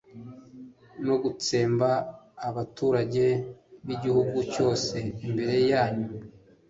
no gutsemba abaturage b'igihugu cyose imbere yanyu